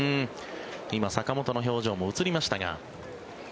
今、坂本の表情も映りましたが。